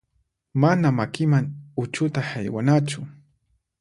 Mana makiman uchuta haywanachu.